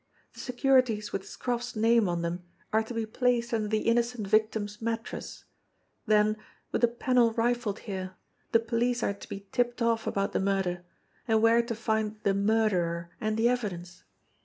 The securities with Scroff's name on them are to be placed under the innocent victim's mattress; then, with the panel rifled here, the police are to be tipped off about the murder, and where to find the 'murderer' and the evidence.